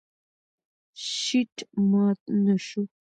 شیټ مات نه شو.